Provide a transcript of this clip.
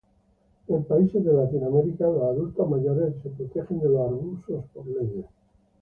En paises de Latinoamerica los adultos mayores son protegidos de los abusos por leyes.